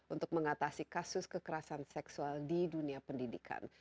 untuk mengatasi kasus kekerasan seksual di dunia pendidikan